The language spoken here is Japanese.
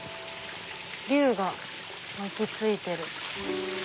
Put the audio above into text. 龍が巻き付いてる。